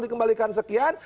yang dikembalikan sekian